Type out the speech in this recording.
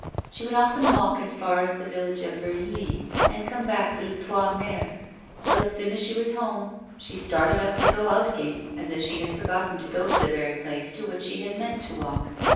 She would often walk as far as the village of Verneuil and come back through Trois Mares, but as soon as she was home she started up to go out again as if she had forgotten to go to the very place to which she had meant to walk.